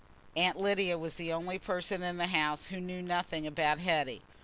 Aunt Lydia was the only person in the house who knew nothing about Hetty.